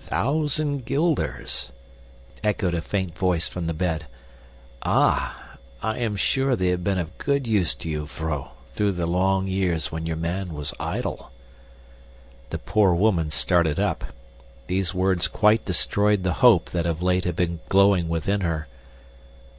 "Thousand guilders," echoed a faint voice from the bed. "Ah, I am sure they have been of good use to you, vrouw, through the long years when your man was idle." The poor woman started up. These words quite destroyed the hope that of late had been glowing within her.